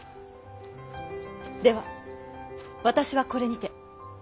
では私はこれにて。